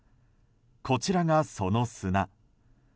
こちらが、その砂。